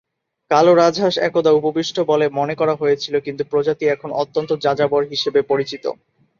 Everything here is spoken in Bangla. কালো রাজহাঁস একদা উপবিষ্ট বলে মনে করা হয়েছিল, কিন্তু প্রজাতি এখন অত্যন্ত যাযাবর হিসেবে পরিচিত।